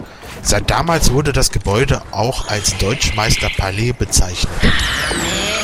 Seit damals wurde das Gebäude auch als Deutschmeister-Palais bezeichnet.